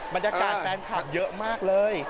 บรรยากาศแฟนคลับเยอะมากเลย